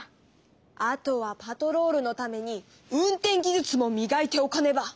あとはパトロールのために運転技術もみがいておかねば！